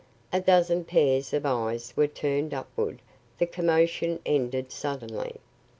A dozen pairs of eyes were turned upward; the commotion ended suddenly.